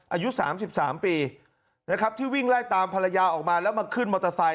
อายุ๓๓ปีนะครับที่วิ่งไล่ตามภรรยาออกมาแล้วมาขึ้นมอเตอร์ไซค